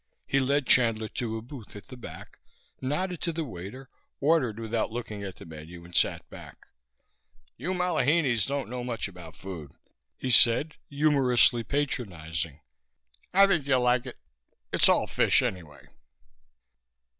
He led Chandler to a booth at the back, nodded to the waiter, ordered without looking at the menu and sat back. "You malihinis don't know much about food," he said, humorously patronizing. "I think you'll like it. It's all fish, anyway."